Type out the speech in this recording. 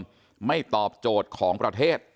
อยู่ในระบอบเดิมไม่ตอบโจทย์ของประเทศ